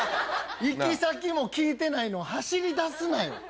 行き先も聞いてないの走りだすなよ。